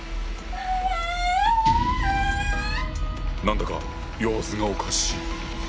何だか様子がおかしい。